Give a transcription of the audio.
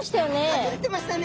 隠れてましたね。